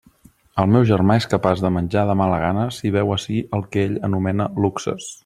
El meu germà és capaç de menjar de mala gana si veu ací el que ell anomena luxes.